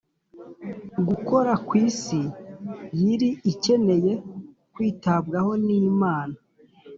gukora ku isi yari ikeneye kwitabwaho n'imana.